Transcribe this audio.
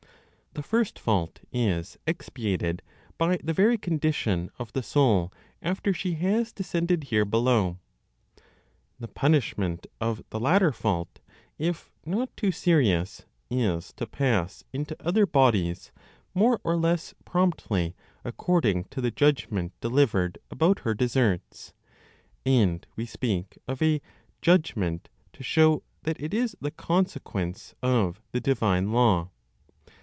The first fault is expiated by the very condition of the soul after she has descended here below. The punishment of the latter fault, if not too serious, is to pass into other bodies more or less promptly according to the judgment delivered about her deserts and we speak of a "judgment" to show that it is the consequence of the divine law.